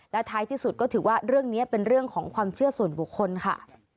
และท้ายที่สุดก็ถือว่าเรื่องนี้เป็นเรื่องของความเชื่อส่วนบุคคลค่ะ